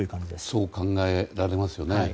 そう考えられますよね。